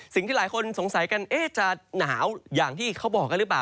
สิ่งที่หลายคนสงสัยกันจะหนาวอย่างที่เขาบอกกันหรือเปล่า